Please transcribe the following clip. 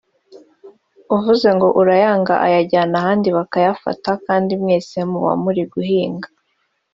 uvuze ngo urayanga ayajyana ahandi bakayafata kandi mwese muba muri guhinga